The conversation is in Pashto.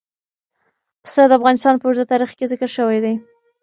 پسه د افغانستان په اوږده تاریخ کې ذکر شوي دي.